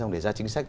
để ra chính sách